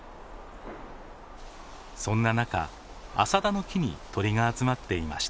そんな中アサダの木に鳥が集まっていました。